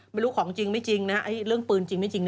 ไม่รู้ของจริงไม่จริงนะเรื่องปืนจริงไม่จริง